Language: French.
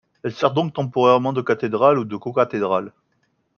Elle sert donc temporairement de cathédrale ou de cocathédrale.